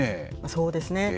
そうですね。